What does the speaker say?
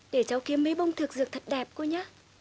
để cháu kiếm mấy bông thược dược thật đẹp cô nhá